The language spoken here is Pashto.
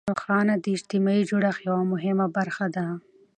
ښارونه د اجتماعي جوړښت یوه مهمه برخه ده.